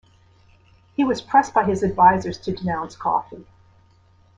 He was pressed by his advisers to denounce coffee.